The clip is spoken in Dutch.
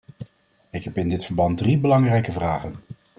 Ik heb in dit verband drie belangrijke vragen.